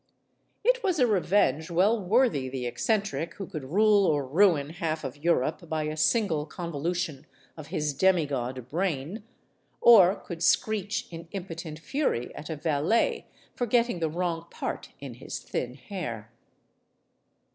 It was a revenge well worthy the eccentric who could rule or ruin half of Europe by a single convolu tion of his demigod brain; or could screech in impotent fury at a valet for getting the wrong part in his thin hair.